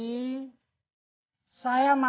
ibu ibu yang saya hormati